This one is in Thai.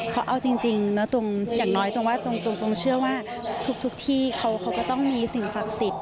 เพราะเอาจริงนะตรงอย่างน้อยตรงว่าตรงเชื่อว่าทุกที่เขาก็ต้องมีสิ่งศักดิ์สิทธิ